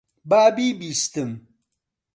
با بیبیستم.